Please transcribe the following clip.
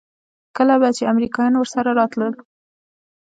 کله به چې امريکايان ورسره راتلل.